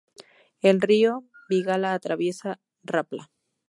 El río Vigala atraviesa Rapla.